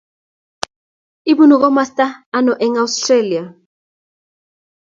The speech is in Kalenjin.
Ibunu komosta ano eng Australia?